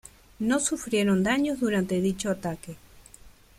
No sufrieron daños durante dicho ataque.